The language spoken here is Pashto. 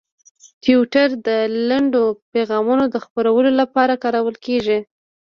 ټویټر د لنډو پیغامونو د خپرولو لپاره کارول کېږي.